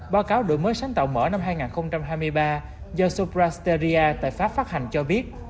báo cáo đổi mới sáng tạo mở năm hai nghìn hai mươi ba do subrastoria tại pháp phát hành cho biết